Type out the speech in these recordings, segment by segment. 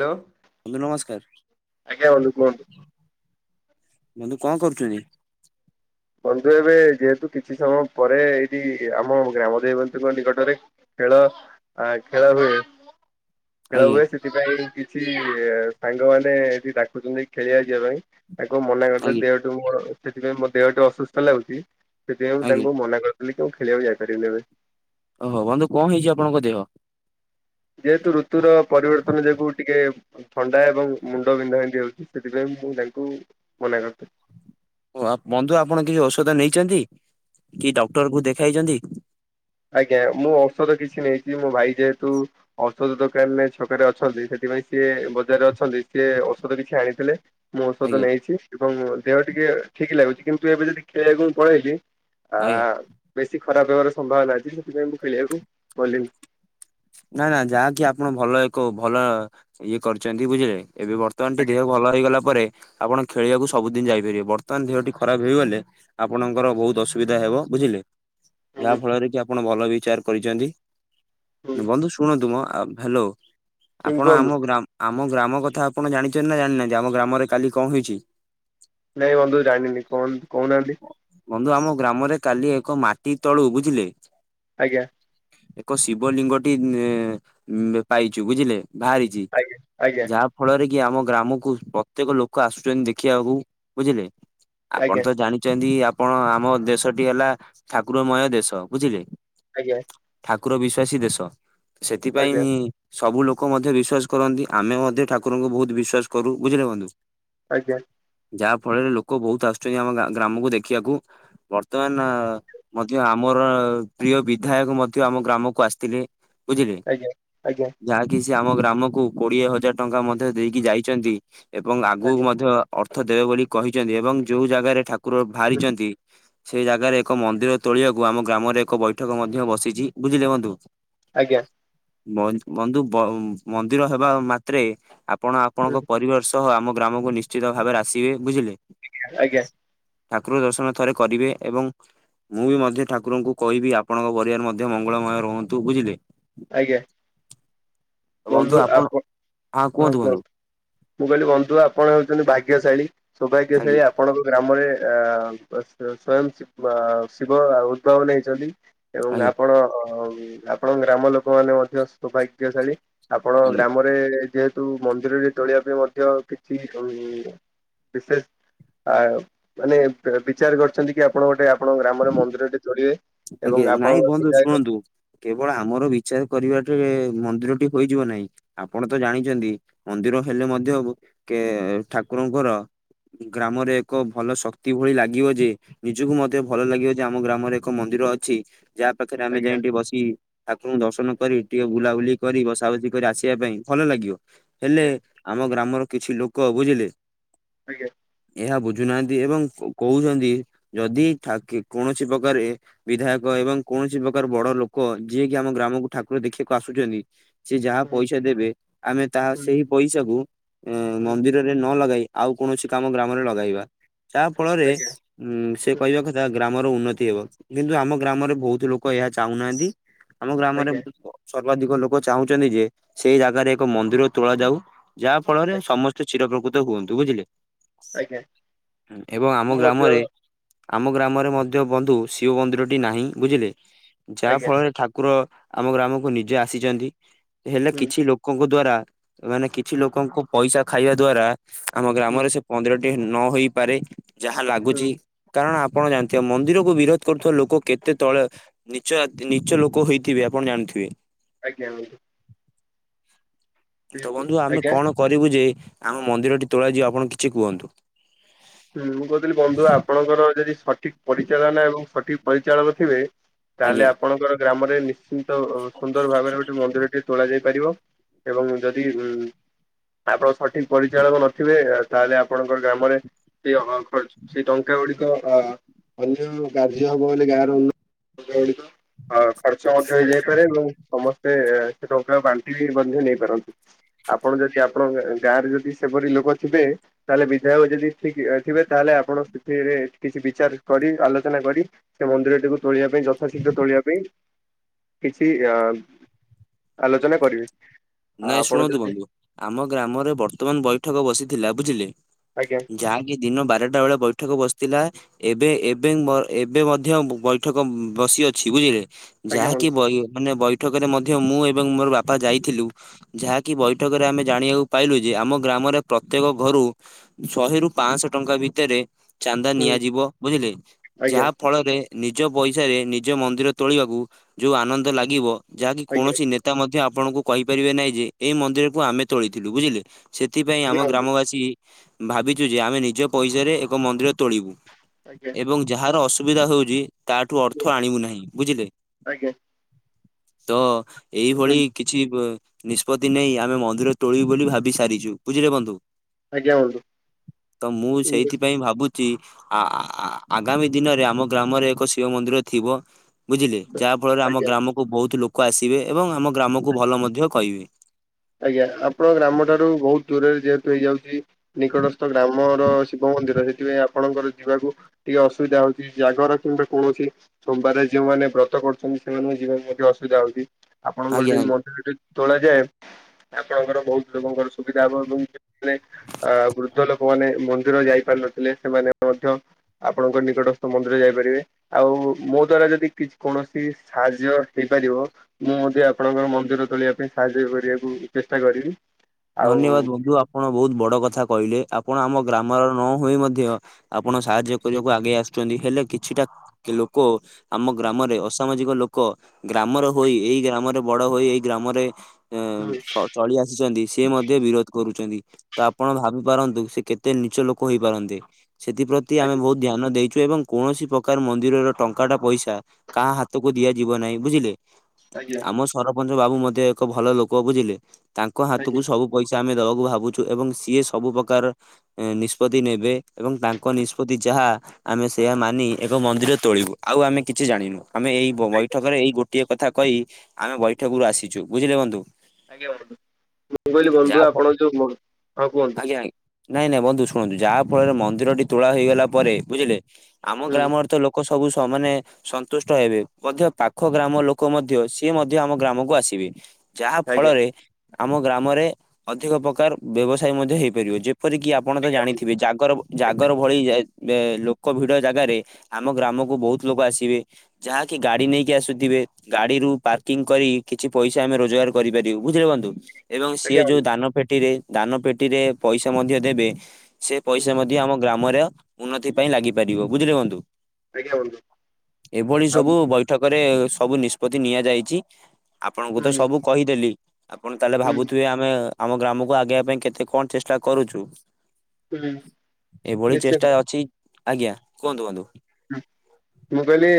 Hello. ବନ୍ଧୁ ଆଜ୍ଞା ବନ୍ଧୁ ନମସ୍କାର। କୁହନ୍ତୁ। ବନ୍ଧୁ କଣ କରୁଛନ୍ତି? ବନ୍ଧୁ ଏବେ ଯେହେତୁ କିଛି ସମୟ ପରେ ଏଇଠି ଆମ ଗ୍ରାମ ଦେବନ୍ତୀଙ୍କ ନିକଟରେ ଖେଳ ଆ ଖେଳ ହୁଏ ଖେଳ ଆଜ୍ଞା ହୁଏ ସେ ସେଥିପାଇଁ କିଛି ସାଙ୍ଗ ମାନେ ଏଠି ଡାକୁଛନ୍ତି ଖେଳିବା ଯିବା ପାଇଁ। ତାଙ୍କୁ ମନା କରିଦେଲି ଆଜ୍ଞା ଦେହଠୁଁ ମୋର ସେଥିପାଇଁ ଦେହ ଅସୁସ୍ଥ ଲାଗୁଛି ସେଥିପାଇଁ ମୁଁ ଆଜ୍ଞା ତାଙ୍କୁ ମନା କରି ଫିଲିଡିକୁ ଖେଳିବାକୁ ଯାଇଁ ପାରିବିନି ଏବେ। ଓ ହୋ ବନ୍ଧୁ କଣ ହେଇଛି ଆପଣଙ୍କ ଦେହ? ଯେହେତୁ ଋତୁର ପରିବର୍ତ୍ତନ ଯୋଗୁ ଟିକେ ଥଣ୍ଡା ଏବଂ ମୁଣ୍ଡ ବିନ୍ଧା ବିନ୍ଧି ହଉଛି। ସେଥିପାଇଁ ମୁଁ ତାଙ୍କୁ ମନା କରିଦେଲି। ଓ ହୋ ବନ୍ଧୁ ଆପଣ କିଛି ଔଷଧ ନେଇଛନ୍ତି କି ଡକ୍ଟର କୁ ଦେଖାଇଛନ୍ତି? ଆଜ୍ଞା ମୁଁ ଔଷଧ କିଛି ନେଇଛି ମୋ ଭାଇ ଯେହେତୁ ଔଷଧ ଦୋକାନ ଛକରେ ଅଛନ୍ତି ସେଥିପାଇଁ ସିଏ ବଜାରରେ ଅଛନ୍ତି ସିଏ ଔଷଧ କିଛି ଆଣିଥିଲେ। ମୁଁ ଔଷଧ ଆଜ୍ଞା ନେଇଛି ଏବଂ ଦେହ ଟିକେ ଠିକ ଲାଗୁଛି କିନ୍ତୁ ଏବେ ଯଦି ଖେଳିବାକୁ ମୁ ପଳେଇବି ଆ ଆଜ୍ଞା। ବେଶୀ ଖରାପ ହେବାର ସମ୍ଭାବନା ଅଛି ସେଥିପାଇଁ ମୁଁ ଖେଳିବାକୁ ଗଲିନି। ନାଁ ଯାହାକି ଆପଣ ଭଲ ଏକ ଭଲ ଇଏ କରିଛନ୍ତି ବୁଝିଲେ ଏବେ ବର୍ତ୍ତ ବର୍ତ୍ତମାନଟି ଦେହ ଭଲ ହେଇଗଲା ପରେ ଆପଣ ଖେଳିବାକୁ ସବୁଦିନ ଯାଇପାରିବେ ବର୍ତ୍ତମାନ ଦେହଟି ଖରାପ ହେଇଗଲେ ଆପଣଙ୍କର ବହୁତ ଅସୁବିଧା ହେବ ବୁଝିଲେ ହୁଁ ଯାହା ହୁଁ ଫଳରେ କି ଆପଣ ଭଲ ବିଚାର କରିଛନ୍ତି। ହୁଁ ବନ୍ଧୁ ଶୁଣନ୍ତୁ ମଁ ଆ ହ୍ୟାଲୋ ଆପଣ କୁହନ୍ତୁ ଆମ ଗ୍ରାମ ଆମ ଗ୍ରାମ କଥା ଆପଣ ଜାଣିଛନ୍ତି ନାଁ ଜାଣିନାହାନ୍ତି ଆମ ଗ୍ରାମରେ କାଲି କଣ ହେଇଛି? ନାଇଁ ବନ୍ଧୁ ଜାଣିନି କଣ କହୁନାହାନ୍ତି? ବନ୍ଧୁ ଆମ ଗ୍ରାମରେ କାଲି ଏକ ମାଟି ତଳୁ ବୁଝିଲେ ଆଜ୍ଞା। ଏକ ଶିବ ଲିଙ୍ଗଟି ଏଁ ମଁ ଉଁ ପାଇଛୁ ବୁଝିଲେ ବାହାରିଛି ଆଜ୍ଞା ଆଜ୍ଞା ଯାହା ଫଳରେ କି ଆମ ଗ୍ରାମକୁ ପ୍ରତ୍ୟେକ ଲୋକ ଆସୁଛନ୍ତି ଦେଖିବାକୁ ବୁଝିଲେ। ଆପଣ ଆଜ୍ଞା ତ ଜାଣିଛନ୍ତି ଆପଣ ଆମ ଦେଶଟି ହେଲା ଠାକୁରମୟ ଦେଶ ବୁଝିଲେ। ଆଜ୍ଞା। ଠାକୁର ବିଶ୍ଵାସୀ ଦେଶ ଆଜ୍ଞା ସେଥିପାଇଁ ସବୁ ଲୋକ ମଧ୍ୟ ବିଶ୍ଵାସ କରନ୍ତି ଆମେ ମଧ୍ୟ ଠାକୁରଙ୍କୁ ବହୁତ ବିଶ୍ଵାସ କରୁ ବୁଝିଲେ ବନ୍ଧୁ। ଆଜ୍ଞା। ଯାହା ଫଳରେ ଲୋକ ବହୁତ ଆସୁଛନ୍ତି ଆମ ଗାଁ ଗ୍ରାମକୁ ଦେଖିବାକୁ। ତମେନା ଆଁ ମଧ୍ୟ ଆମର ପ୍ରିୟ ବିଧାୟକ ମଧ୍ୟ ଆମ ଗ୍ରାମକୁ ଆସିଥିଲେ। ବୁଝିଲେ। ଆଜ୍ଞା ଆଜ୍ଞା ଆଜ୍ଞା ଯାହାକି ସେ ଆମ ଗ୍ରାମକୁ କୋଡିଏ ହଜାର ଟଙ୍କା ମଧ୍ୟ ଦେଇକି ଯାଇଛନ୍ତି ଏବଂ ଆଗକୁ ମଧ୍ୟ ଅର୍ଥ ଦେବେ ବୋଲି କହିଛନ୍ତି ଏବଂ ଯୋଉଁ ଜାଗାରେ ଠାକୁର ଭାରିଛନ୍ତି ସେଇ ଜାଗାରେ ଏକ ମନ୍ଦିର ତୋଳିବାକୁ ଆମ ଗ୍ରାମରେ ଏକ ବୈଠକ ମଧ୍ୟ ବସିଛି, ବୁଝିଲେ ବଧୁ। ଆଜ୍ଞା। ବନ ବନ୍ଧୁ ବ ମନ୍ଦିର ହେବା ମାତ୍ରେ ଆପଣ ଆପଣଙ୍କ ପରିବାର ସ ତ ଆମ ଗ୍ରାମକୁ ନିଶ୍ଚିତ ଭାବରେ ଆସିବେ, ବୁଝିଲେ। ଆଜ୍ଞା। ଠାକୁର ଦର୍ଶନ ଥରେ କରିବେ ଏବଂ ମୁଁ ମଧ୍ୟ ଠାକୁରଙ୍କୁ କହିବି, ଆପଣଙ୍କ ପରିବାର ମଧ୍ୟ ମଙ୍ଗଳମୟ ରୁହନ୍ତୁ ବୁଝିଲେ। ଆଜ୍ଞା ବନ୍ଧୁ ଆପଣ ହଁ କୁହନ୍ତୁ। ମୁଁ କହିଲି ବନ୍ଧୁ ଆପଣ ହେଉଛନ୍ତି ଭାଗ୍ୟଶାଳୀ, ସୌଭାଗ୍ୟଶାଳୀ ଆଜ୍ଞା ଆ ଆପଣଙ୍କ ଗ୍ରାମରେ ଆ ସ ସ୍ଵୟଂ ଶି ଶିବ ଉଦ୍ଭାବନ ହେଇଛନ୍ତି। ଏବଂ ଆଜ୍ଞା ଆପଣ ଆପଣଙ୍କ ଗ୍ରାମ ଲୋକମାନେ ମଧ୍ୟ ସୌଭାଗ୍ୟଶାଳୀ। ଆପଣ ଆଜ୍ଞା ଗ୍ରାମରେ ଯେହେତୁ ମନ୍ଦିରରେ ତୋଳିବା ପାଇଁ ମଧ୍ୟ କିଛି ହୋଉଛି। ବିଶେଷ୍ ଆଉ ମାନେ ବିଚାର କରଛନ୍ତି କି ଆପଣ ଗୋଟେ ଆପଣଙ୍କ ଗ୍ରାମରେ ମନ୍ଦିରଟେ ତୋଳିବେ ଆଜ୍ଞା ଏବଂ ନାଇଁ ଆପଣଙ୍କ ବନ୍ଧୁ ବିଧାୟକ ଶୁଣନ୍ତୁ କେବଳ ଆମର ବିଚାର କରିବାଟେ ମନ୍ଦିରଟି ହୋଇଯିବ ନାହିଁ। ଆପଣ ତ ଜାଣିଛନ୍ତି, ମନ୍ଦିର ହେଲେ ମଧ୍ୟ କେ ଠାକୁରଙ୍କର ଗ୍ରାମରେ ଏକ ଭଲ ଶକ୍ତି ଭଳି ଲାଗିବ ଯେ। ନିଜକୁ ମଧ୍ୟ୍ୟ ଭଲ ଲାଗିବ ଯେ ଆମ ଗ୍ରାମରେ ଏକ ମନ୍ଦିର ଅଛି, ଯାହା ପାଖରେ ଆମେ ଆଜ୍ଞା ଯାଇ ଟିକେ ବସି। ଠାକୁରଙ୍କୁ ଦର୍ଶନ କରି, ଟିକେ ବୁଲାବୁଲି କରି, ବସା ବସି କରି, ଆସିବା ପାଇଁ ଭଲ ଲାଗିବ। ହେଲେ ଆଜ୍ଞା ଆମ ଗ୍ରାମର କିଛି ଲୋକ ବୁଝିଲେ ଆଜ୍ଞା ଏହା ବୁଝୁନାହାନ୍ତି ଏବଂ କହୁଛନ୍ତି ଯଦି ଠାକି କୌଣସି ପ୍ରକାରେ ବିଧାୟକ ଏବଂ କୌଣସି ପ୍ରକାର ବଡ ଲୋକ ଯିଏକି ଆମ ଗ୍ରାମକୁ ଠାକୁର ଦେଖିବାକୁ ଆସୁଚନ୍ତି। ସେ ଯାହା ହୁଁ ପଇସା ଦେବେ, ଆମେ ତାହା ହୁଁ ସେଇ ପଇସାକୁ ହୁଁ ମନ୍ଦିରରେ ନ ଲଗାଇ ଆଉ କୌଣସି କାମ ଗ୍ରାମରେ ଲଗାଇବା, ତାହା ଫଳରେ ଆଜ୍ଞା। ଉଁ ସେ ହୁଁ କହିବା କଥା ଗ୍ରାମର ଉନ୍ନତି ହେବ, କିନ୍ତୁ ଆମ ଗ୍ରାମରେ ବହୁତ ଲୋକ ଏହା ଚାହୁଁନାହାନ୍ତି। ଆମ ଆଜ୍ଞା ଗ୍ରାମରେ [unintelligible] ସର୍ବାଧିକ ଲୋକ ଚାହୁଁଛନ୍ତି ଯେ ସେଇ ଜାଗାରେ ଏକ ମନ୍ଦିର ତୋଳା ଯାଉ, ଯାହା ଫଳରେ ସମସ୍ତ ଚିରଉପ୍ରକୃତ ହୁଅନ୍ତୁ ବୁଝିଲେ, ଆଜ୍ଞା ଆଜ୍ଞା ଏବଂ ଆମ ମୁଁ ମଧ୍ୟ ଗ୍ରାମରେ ଆମ ଗ୍ରାମରେ ମଧ୍ୟ ବନ୍ଧୁ ଶିବ ମନ୍ଦିରଟି ନାହିଁ ବୁଝିଲେ। ଯାହା ଆଜ୍ଞା। ଫଳରେ ଠାକୁର ଆମ ଗ୍ରାମକୁ ନିଜେ ଆସିଚନ୍ତି। ହେଲେ ହୁଁ କିଛି ଲୋକଙ୍କ ଦ୍ଵାରା ମାନେ କିଛି ଲୋକଙ୍କ ପଇସା ଖାଇବା ଦ୍ଵାରା, ଆମ ହୁଁ ଗ୍ରାମରେ ସେ ମନ୍ଦିର ଟିଏ ନ ହେଇପାରେ, ଯାହା ଲାଗୁଚି କାରଣ ଆପଣ ଜାଣିଥିବେ ମନ୍ଦିରକୁ ବିରୋଧ କରୁଥିବା ଲୋକ କେତେ ତଳେ ନିଚ ନିଚ ଲୋକ ହେଇଥିବେ ଆପଣ ଜାଣିଥିବେ। ଆଜ୍ଞା ବନ୍ଧୁ ତ ବିଲକୁଲ। ବନ୍ଧୁ ଆମେ ଆଜ୍ଞା ହୁଁ, କଣ କରିବୁ ଯେ ଆମ ମନ୍ଦିରଟି ତୋଳା ଯିବ ଆପଣ କିଛି କୁହନ୍ତୁ? ହୁଁ ମୁଁ କହୁଥିଲି ବନ୍ଧୁ ଆପଣଙ୍କର ଯଦି ସଠିକ୍ ପରିଚାଳନା। ଏବଂ ସଠିକ୍ ପରିଚାଳକ ଥିବେ ତାହେଲେ ଆଜ୍ଞା। ଆପଣଙ୍କର ଗ୍ରାମରେ ନିଶ୍ଚିନ୍ତ ସୁନ୍ଦର ଭାବରେ ଗୋଟେ ମନ୍ଦିରଟିଏ ତୋଳ ଯାଇ ପାରିବ, ଏବଂ ଯଦି ଉ ଆପଣ ସଠିକ୍ ପରିଚାଳକ ନଥିବେ ତାହେଲେ ଆପଣଙ୍କର ଗ୍ରାମରେ ସେ ଅ ଖର୍ଚ ସେଇ ଟଙ୍କା ଗୁଡିକ ଅ ଅନ୍ୟ କାର୍ଯ୍ୟ ହବ ବୋଲି ଗାଁରୁ ଟଙ୍କା ଗୁଡ଼ିକ ଖର୍ଚ୍ଚ ମଧ୍ୟ ହେଇଯାଇପାରେ ଏବଂ ସମସ୍ତେ ଏତେ ଟଙ୍କାକୁ ବାଣ୍ଟି ବି ମଧ୍ୟ ନେଇ ପାରନ୍ତି। ଆପଣ ଯଦି ଆପଣଙ୍କ ଗାଁ ରେ ଯଦି ସେପରି ଲୋକ ଥିବେ, ତାହେଲେ ବିଧାୟକ ଯଦି ଠିକ ଥିବେ ତାହେଲେ ଆପଣ ସେଥିରେ କିଛି ବିଚାର କରି, ଆଲୋଚନା କରି ସେ ମନ୍ଦିରଟିକୁ ତୋଳିବା ପାଇଁ ଯଥାଶୀଘ୍ର ତୋଳିବା ପାଇଁ କିଛି ଆ ଆଲୋଚନା କରିବି ଆ ନାଇଁ ଆପଣ ଶୁଣନ୍ତୁ ଯଦି ବନ୍ଧୁ ଆମ ଗ୍ରାମରେ ବର୍ତ୍ତମାନ ବୈଠକ ବସିଥିଲା, ବୁଝିଲେ? ଆଜ୍ଞା। ଯାହାକି ଦିନ ବାରଟା ବେଳେ ବୈଠକ ବସିଥିଲା। ଏବେ ଏବେ ଏବେ ମଧ୍ୟ ବୈଠକ ବସି ଅଛି। ବୁଝିଲେ? ଆଜ୍ଞା ଯାହାକି ବନ୍ଧୁ ମାନେ ବୈଠକରେ ମଧ୍ୟ ମୁଁ ଏବଂ ମୋର ବାପା ଯାଇଥିଲୁ। ଯାହାକି ବୈଠକରେ ଆମେ ଜାଣିବାକୁ ପାଇଲୁ ଯେ ଆମ ଗ୍ରାମରେ ପ୍ରତ୍ୟେକ ଘରୁ ଶହେ ରୁ ପାଞ୍ଚଶହ ଟଙ୍କା ଭିତରେ ଚାନ୍ଦା ହୁଁ ନିଆଯିବ ବୁଝିଲେ, ଆଜ୍ଞା ଯାହା ଫଳରେ ନିଜ ପଇସାରେ ନିଜ ମନ୍ଦିର ତୋଳିବାକୁ ଯେଉଁ ଆନନ୍ଦ ଲାଗିବ ଯାହାକି ଆଜ୍ଞା କୌଣସି ନେତା ମଧ୍ୟ ଆପଣଙ୍କୁ କହିପାରିବେ ନାହିଁ ଯେ ଏଇ ମନ୍ଦିରକୁ ଆମେ ତୋଳିଥିଲୁ ବୁଝିଲେ। ସେଥିପାଇଁ ଆମ ଆଜ୍ଞା ବନ୍ଧୁ ଗ୍ରାମବାସୀ ଭାବିଛୁ ଯେ ଆମେ ନିଜ ପଇସାରେ ଏକ ମନ୍ଦିର ତୋଳିବୁ। ଆଜ୍ଞା ଏବଂ ଯାହାର ଅସୁବିଧା ହେଉଛି ତାଠୁ ଅର୍ଥ ଆଣିବୁ ନାହିଁ ବୁଝିଲେ। ଆଜ୍ଞା ତ ଏଇଭଳି କିଛି ନିଷ୍ପତ୍ତି ନେଇ ଆମେ ମନ୍ଦିର ତୋଳିବୁ ବୋଲି ଭାବି ସାରିଛୁ ବୁଝିଲେ ବନ୍ଧୁ। ଆଜ୍ଞା ବନ୍ଧୁ ତ ମୁଁ ସେଇଥିପାଇଁ ଭାବୁଛି ଆଗାମୀ ଦିନରେ ଆମ ଗ୍ରାମରେ ଏକ ଶିବ ମନ୍ଦିର ଥିବ। ବୁଝିଲେ, ଯାହା ଫଳରେ ଆମ ଆଜ୍ଞା। ଗ୍ରାମକୁ ବହୁତ ଲୋକ ଆସିବେ ଏବଂ ଆମ ଗ୍ରାମକୁ ଭଲ ମଧ୍ୟ କହିବେ। ଆଜ୍ଞା ଆପଣଙ୍କ ଗ୍ରାମ ଠାରୁ ବହୁତ ଦୂରରେ ଯେହେତୁ ହେଇଯାଉଛି ନିକଟସ୍ଥ ଗ୍ରାମର ଶିବ ମନ୍ଦିର ସେଥିପାଇଁ ଆପଣଙ୍କର ଯିବାକୁ ଟିକେ ଅସୁବିଧା ହଉଛି ଜାଗର କିମ୍ବା କୌଣସି ସୋମବାରରେ ଯୋଉମାନେ ବ୍ରତ କରୁଛନ୍ତି ସେମାନଙ୍କୁ ଯିବା ପାଇଁ ମଧ୍ୟ ଅସୁବିଧା ହଉଛି। ଆପଣଙ୍କର ଆଜ୍ଞା ଆଜ୍ଞା। ଯଦି ମଝିରେ ଟେ ତୋଳାଯାଏ ଆପଣଙ୍କର ବହୁତ ଲୋକଙ୍କର ସୁବିଧା ହବ ଏବଂ ଅ ବୃଦ୍ଧ ଲୋକମାନେ ମନ୍ଦିର ଯାଇପାର ନଥିଲେ ସେମାନେ ମଧ୍ୟ ଆପଣଙ୍କ ନିକଟସ୍ଥ ମନ୍ଦିରରେ ଯାଇପାରିବେ। ଆଉ ମୋ ଦ୍ଵାରା ଯଦି କୌଣସି ସାହାଯ୍ୟ ହେଇପାରିବ ମୁଁ ମଧ୍ୟ ଆପଣଙ୍କର ମନ୍ଦିର ତୋଳିବା ପାଇଁ ସାହାଯ୍ୟ କରିବାକୁ ଚେଷ୍ଟା କରିବି। ଆଉ ଧନ୍ୟବାଦ ହୁଁ ବନ୍ଧୁ ଆପଣ ବହୁତ ବଡ କଥା କହିଲେ ଆପଣ ଆମ ଗ୍ରାମର ନ ହୋଇ ମଧ୍ୟ ଆପଣ ସାହାଯ୍ୟ କରିବାକୁ ଆଗେଇ ଆସୁଛନ୍ତି, ହେଲେ କିଛିଟା ଲୋକ ଆମ ଗ୍ରାମରେ ଅସାମାଜିକ ଲୋକ ଗ୍ରାମର ହୋଇ ଏଇ ଗ୍ରାମରେ ବଡ ହୋଇ ଏଇ ଗ୍ରାମରେ ଏ ଚଳି ଆସିଛନ୍ତି ସେ ମଧ୍ୟ ବିରୋଧ କରୁଛନ୍ତି, ତ ଆପଣ ଭାବି ପାରନ୍ତୁ ସେ କେତେ ନିଚ ଲୋକ ହେଇପାରନ୍ତେ। ସେଥିପ୍ରତି ଆମେ ଆଜ୍ଞା ବହୁତ ଧ୍ୟାନ ଦେଇଛୁ, ଏବଂ କୌଣସି ପ୍ରକାର ମନ୍ଦିରର ଟଙ୍କାଟା ପଇସା କାହା ହାତକୁ ଦିଆଯିବ ନାହିଁ, ବୁଝିଲେ? ଆଜ୍ଞା ଆମ ସରପଞ୍ଚ ବାବୁ ମଧ୍ୟ ଏକ ଭଲ ଲୋକ ବୁଝିଲେ, ତାଙ୍କ ଆଜ୍ଞା ହାତକୁ ସବୁ ପଇସା ଆମେ ଦବାକୁ ଭାବୁଛୁ ଏବଂ ସିଏ ସବୁ ପ୍ରକାର ନିଷ୍ପତ୍ତି ନେବେ ଏବଂ ତାଙ୍କ ନିଷ୍ପତ୍ତି ଯାହା ଆମେ ସେୟା ମାନି ଏକ ମନ୍ଦିର ତୋଳିବୁ ଆଉ ଆମେ କିଛି ଜାଣିନୁ। ଆମେ ଏଇ ବୈଠକରେ ଏଇ ଗୋଟିଏ କଥା କହି ଆମେ ବୈଠକ ରୁ ଆସିଛୁ ବୁଝିଲେ ବନ୍ଧୁ? ଆଜ୍ଞା ବନ୍ତୁ ମୁଁ କହିଲି ଯାହା ବନ୍ଧୁ ଫ ଆପଣ ଯୋଉ ହଉ କୁହନ୍ତୁ। ଆଜ୍ଞା ନାଇଁ ନାଇଁ ବନ୍ଧୁ ଶୁଣନ୍ତୁ ଯାହା ଫଳରେ ମନ୍ଦିର ଟି ତୁଳା ହେଇଗଲା ପରେ ବୁଝିଲେ ଆମ ହୁଁ ଗ୍ରାମରେ ତ ଲୋକ ଲୋକ ସବୁ ସମାନେ ସନ୍ତୁଷ୍ଟ ହେବେ, ମଧ୍ୟ ପାଖ ଗ୍ରାମ ଲୋକ ମଧ୍ୟ ସିଏ ମଧ୍ୟ ଆମ ଗ୍ରାମକୁ ଆସିବେ। ଯାହା ଆଜ୍ଞା ଫଳରେ ଆମ ଗ୍ରାମରେ ଅଧିକ ପ୍ରକାର ବ୍ୟବସାୟ ମଧ୍ୟ ହେଇପାରିବ। ଯେ ଏପର କିି ଆପଣ ତ ଜାଣିଥିବେ ଜାଗର ଜାଗର ଭଳି ଏକ ଭିଡ ଜାଗାରେ ଆମ ଗ୍ରାମକୁ ବହୁତ ଲୋକ ଆସିବେ ଯାହାକି ଗାଡି ନେଇକି ଆସୁଥିବେ। ଗାଡିରୁୁ ପାର୍କିଂ କରି କିଛି ପଇସା ଆମେ ରୋଜଗାର କରିପାରିବୁ [unintelligible] ଏବଂ ସିଏ ଆଜ୍ଞା ଯୋଉ ବନ୍ଧୁ ଦାନ ପେଟିରେ ଦାନ ପେଟିରେ ପଇସା ମଧ୍ୟ ଦେବେ। ସେ ପଇସା ହୁଁ ମଧ୍ୟ ଆମ ଗ୍ରାମରେ ଉନ୍ନତି ପାଇଁ ଲାଗିପାରିବ ବୁଝିଲେ [unintelligible] ଆଜ୍ଞା ବନ୍ଧୁ ଆଉ ଏଭଳିସବୁ ବୈଠକରେ ସବୁ ନିଷ୍ପତ୍ତି ନିଆଯାଇଛି। ଆପଣଙ୍କୁ ତ ହୁଁ ସବୁ କହିଦେଲି ଆପଣ ତାହେଲେ ହୁଁ ଭାବୁଥିବେ ଆମେ ଆମ ଗ୍ରାମକୁ ଆଗେଇବା ପାଇଁ କେତେ କଣ ଚେଷ୍ଟା କରୁଚୁ। ହୁଁ ଏଭଳି ନିଶ୍ଚିନ୍ତ ଚେଷ୍ଟା ଅଛି। ଆଜ୍ଞା, କୁହନ୍ତୁ କୁହନ୍ତୁ। [unintelligible] ମୁଁ କହିଲି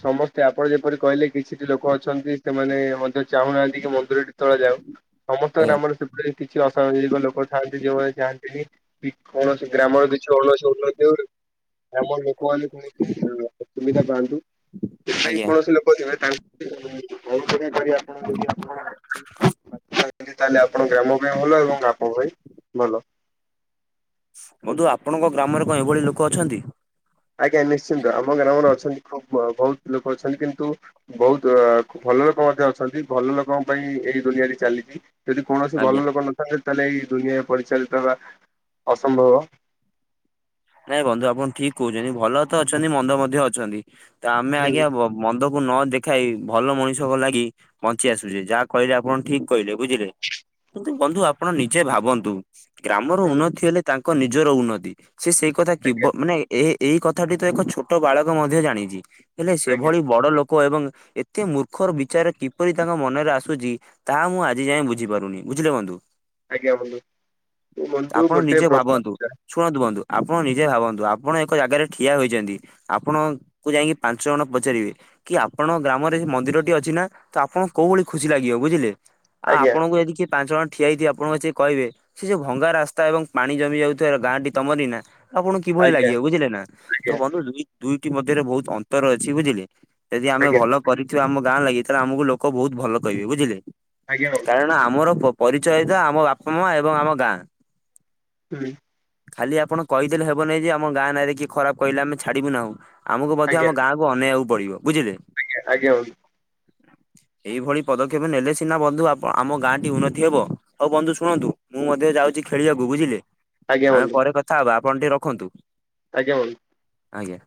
ସମସ୍ତେ, ଆପଣ ଯେପରି କହିଲେ କିଛିଟି ଲୋକ ଅଛନ୍ତି ସେମାନେ ମଧ୍ୟ ଚାହୁଁନାହାନ୍ତି କି ମନ୍ଦିରଟି ତଳେ ଯାଉ ସମସ୍ତଙ୍କ ଆଜ୍ଞା ଗ୍ରାମରେ ରେ କିଛି ଅସାଜରିକ ଲୋକ ଥାନ୍ତି ଯୋଉମାନେ ଚାହାନ୍ତିନି। କୌଣସି ଗ୍ରାମର କିଛି [unintelligible] [unintelligible] [unintelligible] [unintelligible] ଆଜ୍ଞା ତାହେଲେ ଆପଣ ଗ୍ରାମ ପାଇଁ ଭଲ ଏବଂ ଆପଣଙ୍କ ପାଇଁ ଭଲ। ବନ୍ଧୁ ଆପଣଙ୍କ ଗ୍ରାମରେ କଣ ଏଭଳି ଲୋକ ଅଛନ୍ତି? ଆଜ୍ଞା ନିଶ୍ଚିନ୍ତ ଆମ ଗ୍ରାମରେ ଅଛନ୍ତି ଖୁବ ବହୁତ ଲୋକ ଅଛନ୍ତି କିନ୍ତୁ ବହୁତ ଭଲ ଲୋକ ମଧ୍ୟ ଅଛନ୍ତି ଭଲ ଲୋକଙ୍କ ପାଇଁ ଏଇ ଦୁନିଆଟି ଚାଲିଛି। ଯଦି କୌଣସି ଆଜ୍ଞା। ଭଲ ଲୋକ ନଥାନ୍ତେ ତାହେଲେ ଏଇ ଦୁନିଆରେ ପରିଚାଳିତ ହେବା ଅସମ୍ଭବ। ନାଇଁ ବନ୍ଧୁ ଆପଣ ଠିକ କହୁଛନ୍ତି ଭଲ ତ ଅଛନ୍ତି ମନ୍ଦ ମଧ୍ୟ ଅଛନ୍ତି ତ ଆମେ ହୁଁ ଆଜ୍ଞା ମନ୍ଦକୁ ନ ଦେଖାଇ ଭଲ ମଣିଷଙ୍କ ଲାଗି ବଞ୍ଚି ଆସୁଛେ ଯାହା କହିଲେ ଆପଣ ଠିକ କହିଲେ ବୁଝିଲେ। କିନ୍ତୁ ବନ୍ଧୁ ଆପଣ ନିଜେ ଭାବନ୍ତୁ। ଗ୍ରାମର ହୁଁ ଉନ୍ନତି ହେଲେ ତାଙ୍କ ନିଜର ଉନ୍ନତି ସେ ସେଇ କଥା କେ ଆଜ୍ଞା ମାନେ ଏ ଏଇ କଥାଟି ତ ଏକ ଛୋଟ ବାଳକ ମଧ୍ୟ ଜାଣିଛି ହେଲେ ଆଜ୍ଞା ସେଭଳି ବଡ ଲୋକ ଏବଂ ଏତେ ମୂର୍ଖର ବିଚାର କିପରି ତାଙ୍କ ମନରେ ଆସୁଛି। ତାହା ମୁଁ ଆଜି ଯାଇଏଁ ବୁଝିପାରୁନି ବୁଝିଲେବନ୍ଧୁ। ଆଜ୍ଞା ବନ୍ଧୁ ତୁ ମଣ୍ଡୁ ଆପଣ ଗୋଟେ ନିଜେ ପ୍ରଶ୍ନ ଭାବନ୍ତୁ। ଥିଲା ଶୁଣନ୍ତୁ ବନ୍ଧୁ ଆପଣ ନିଜେ ଭାବନ୍ତୁ ଆପଣ ଏକ ଜାଗାରେ ଠିଆ ହୋଇଛନ୍ତି। ଆପଣଙ୍କୁୁ ଯାଇକି ପାଞ୍ଚ ଜଣ ପଚାରିବେ। କି ଆପଣ ଗ୍ରାମରେ ମନ୍ଦିର ଟି ଅଛି ନା ତ ଆପଣଙ୍କୁ କୋଉ ଭଳି ଖୁସି ଲାଗିବ ବୁଝିଲେ। ଆଉ ଆଜ୍ଞା ଆପଣଙ୍କୁ ଯଦି କିଏ ପାଞ୍ଚ ଜଣ ଠିଆ ହେଇଥିବେ ଆପଣଙ୍କ ଆସି କହିବେ। ସେ ଯୋଉ ଭଙ୍ଗା ରାସ୍ତା ଏବଂ ପାଣି ଜମି ଯାଉଥିବା ଗାଁ ଟି ତମର ନା। ଆପଣଙ୍କୁ କିଭଳି ଆଜ୍ଞା ଲାଗିବ ବୁଝିଲେ ନା। ତ ଆଜ୍ଞା ବନ୍ଧୁ ଦୁଇଟି ମଧ୍ୟରେ ବହୁତ ଅନ୍ତର ଅଛି ବୁଝିଲେ। ଯଦି ଆମେ ଆଜ୍ଞା ଭଲ କରିଥିବା ଆମ ଗାଁ ଲାଗି। ତାହେଲେ ଆମକୁ ଲୋକ ବହୁତ ଭଲ କହିବେ ବୁଝିଲେ। ଆଜ୍ଞା ବନ୍ଧୁ। କାରଣ ଆମର ପରିଚୟତା ଆମ ବାପା ମା ଏବଂ ଆମ ଗାଁ। ହୁଁ। ଖାଲି ଆପଣ କହିଦେଲେ ହେବନାଇଁ ଯେ ଆମ ଗାଁ ନାଁରେ କିଏ ଖରାପ କହିଲେ ଆମେ ଛାଡିବୁ ନାହୁଁ। ଆମକୁ ମଧ୍ୟ ଆଜ୍ଞା ଆମ ଗାଁକୁ ଅନେଇବାକୁ ପଡିବ ବୁଝିଲେ। ଆଜ୍ଞା [unintelligible] ଏଇଭଳି ପଦକ୍ଷେପ ନେଲେ ସିନା ବନ୍ଧୁ ଆମ ଗାଁ ଟି ଉନ୍ନତି ହବ ହଉ ବନ୍ଧୁ ଶୁଣନ୍ତୁ। ମୁଁ ମଧ୍ୟ ଯାଉଛି ଖେଳିବାକୁ ବୁଝିଲେ ଆଜ୍ଞା ଆମେ ବନ୍ଧୁ ପରେ କଥା ହବା ଆପଣ ଟିକେ ରଖନ୍ତୁ। ଆଜ୍ଞା। ଆଜ୍ଞା।